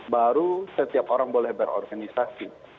baru setiap orang boleh berorganisasi